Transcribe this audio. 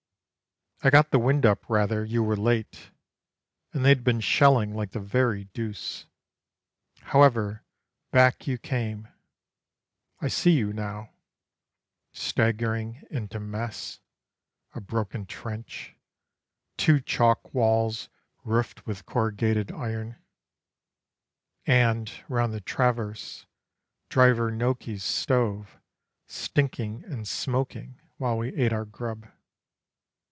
I got the wind up rather: you were late, And they'd been shelling like the very deuce. However, back you came. I see you now, Staggering into "mess" a broken trench, Two chalk walls roofed with corrugated iron, And, round the traverse, Driver Noakes's stove Stinking and smoking while we ate our grub.